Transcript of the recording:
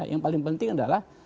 yang paling penting adalah